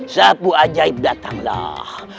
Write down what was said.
sapu ajaib datanglah